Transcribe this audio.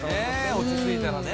落ち着いたらね